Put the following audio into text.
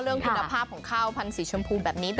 เรื่องคุณภาพของข้าวพันธุ์แบบนี้